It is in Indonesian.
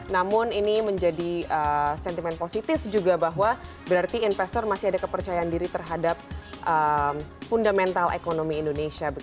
namun ini menjadi sentimen positif juga bahwa berarti investor masih ada kepercayaan diri terhadap fundamental ekonomi indonesia